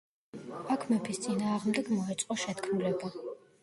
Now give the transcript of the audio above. აქ მეფის წინააღმდეგ მოეწყო შეთქმულება.